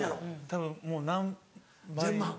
たぶんもう何倍。